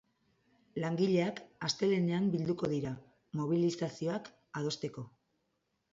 Langileak astelehenean bilduko dira, mobilizazioak adosteko.